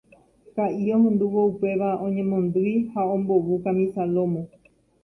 Ka'i ohendúvo upéva oñemondýi ha ombovu kamisa lómo.